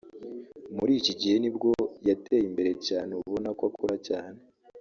muri iki gihe nibwo yateye imbere cyane ubona ko akora cyane